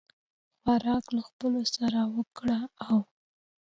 خوراک له خپلو سره وکړه او